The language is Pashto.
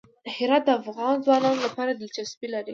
هرات د افغان ځوانانو لپاره دلچسپي لري.